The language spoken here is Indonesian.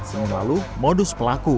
seminggu lalu modus pelaku